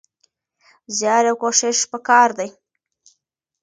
زيار او کوښښ پکار دی.